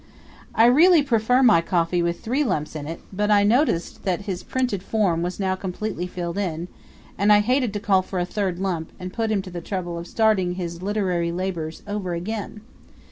I really prefer my coffee with three lumps in it; but I noticed that his printed form was now completely filled in, and I hated to call for a third lump and put him to the trouble of starting his literary labors all over again.